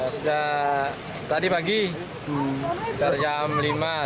sejak tadi pagi dari jam lima